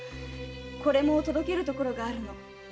これも届ける所があるの。